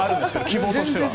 希望としては。